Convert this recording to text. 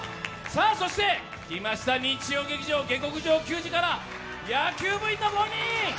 そして、来ました日曜劇場「下剋上球児」から野球部員の５人！